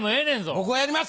僕はやります！